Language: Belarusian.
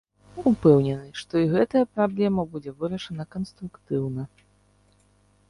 Упэўнены, што і гэтая праблема будзе вырашана канструктыўна.